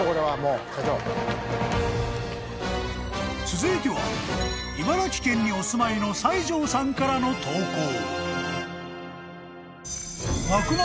［続いては茨城県にお住まいの西條さんからの投稿］